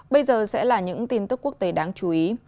bây giờ sẽ là những tin tức quốc tế đáng chú ý